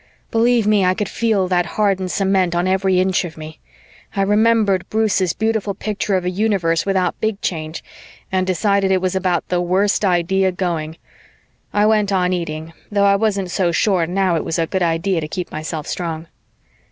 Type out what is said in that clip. Believe me, I could feel that hardened cement on every inch of me. I remembered Bruce's beautiful picture of a universe without Big Change and decided it was about the worst idea going. I went on eating, though I wasn't so sure now it was a good idea to keep myself strong.